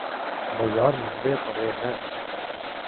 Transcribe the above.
بازار مندے پڑے ہیں۔